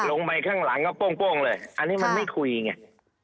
ลงไปข้างหลังก็โป้งเลยอันนี้มันไม่คุยไง